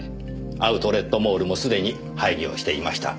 アウトレットモールもすでに廃業していました。